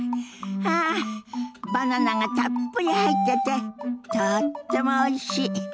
あバナナがたっぷり入っててとってもおいしい！